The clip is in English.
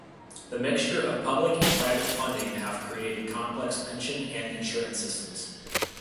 The mixture of public and private funding have created complex pension and insurance systems.